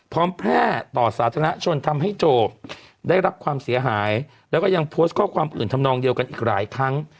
แพร่ต่อสาธารณชนทำให้โจทย์ได้รับความเสียหายแล้วก็ยังโพสต์ข้อความอื่นทำนองเดียวกันอีกหลายครั้ง